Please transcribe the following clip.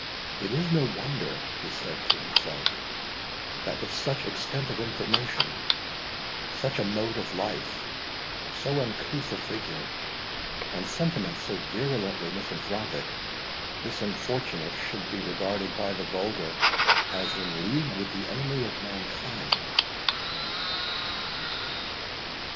"It is no wonder," he said to himself, "that with such extent of information, such a mode of life, so uncouth a figure, and sentiments so virulently misanthropic, this unfortunate should be regarded by the vulgar as in league with the Enemy of Mankind."